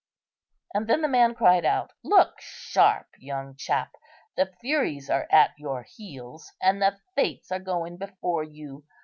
And then the man cried out, "Look sharp, young chap! the Furies are at your heels, and the Fates are going before you.